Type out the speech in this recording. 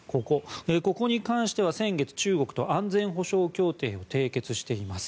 ここに関しては先月、中国と安全保障協定を締結しています。